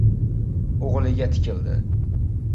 O‘g‘liga tikildi.